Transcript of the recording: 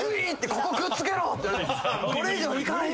ここくっつけろ！って言われてこれ以上いかない。